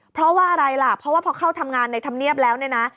เพราะว่าอะไรล่ะเพราะว่าพอเข้าทำงานในธรรมเนียบแล้วเนี่ยนะ